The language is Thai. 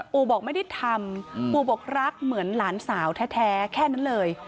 ปู่บอกไม่ได้ทำปู่บอกรักเหมือนหลานสาวแท้แค่นั้นเลย